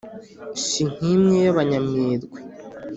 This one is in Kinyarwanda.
si nk’imwe y’abanyamerwe